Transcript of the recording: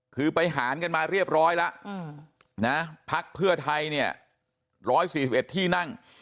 คือไปหารกันมาเรียบร้อยแล้วอืมนะพักเพื่อไทยเนี่ยร้อยสี่สิบเอ็ดที่นั่ง